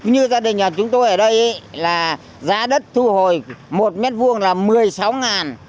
như gia đình chúng tôi ở đây giá đất thu hồi một m hai là một mươi sáu ngàn